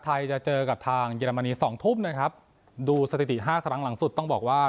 จะเจอกับทางเยอรมนีสองทุ่มนะครับดูสถิติห้าครั้งหลังสุดต้องบอกว่า